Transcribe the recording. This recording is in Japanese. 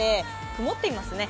曇っていますね。